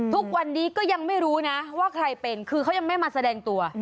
ทุกวันนี้ก็ยังไม่รู้นะว่าใครเป็นคือเขายังไม่มาแสดงตัว